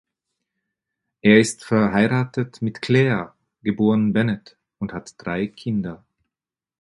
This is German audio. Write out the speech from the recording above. Er ist verheiratet mit Claire geboren Bennett und hat drei Kinder.